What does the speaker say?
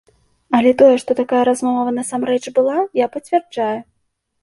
Але тое, што такая размова насамрэч была, я пацвярджаю.